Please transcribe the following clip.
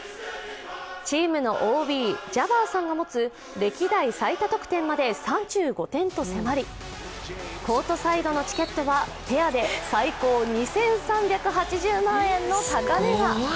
チームのＯＢ、ジャバーさんが持つ歴代最多得点まで３５点と迫り、コートサイドのチケットはペアで最高２３８０万円の高値が。